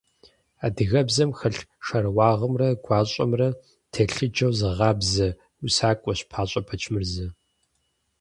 Адыгэбзэм хэлъ шэрыуагъэмрэ гуащӀэмрэ телъыджэу зыгъабзэ усакӀуэщ ПащӀэ Бэчмырзэ.